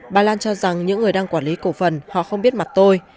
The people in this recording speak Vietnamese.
bà lan cho rằng những người đang quản lý cổ phần họ không biết mặt tôi